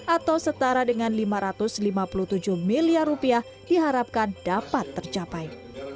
atau setara dengan lima ratus lima puluh tujuh miliar rupiah diharapkan dapat tercapai